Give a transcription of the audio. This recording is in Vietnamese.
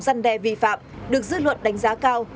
vấn đề vi phạm được dư luận đánh giá cao